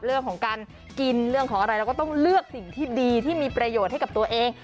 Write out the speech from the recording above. เรื่องของการกินเรื่องของอะไรเราก็ต้องเลือกสิ่งที่ดีที่มีประโยชน์ให้กับตัวเอง